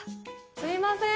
すいません。